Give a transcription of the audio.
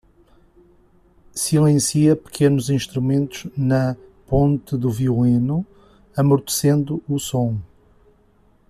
Silencia pequenos instrumentos na ponte do violino, amortecendo o som.